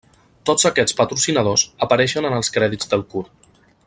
Tots aquests patrocinadors apareixen en els crèdits del curt.